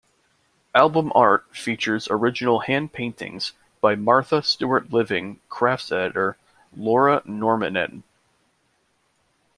Album art features original hand-paintings by "Martha Stewart Living" crafts editor Laura Normandin.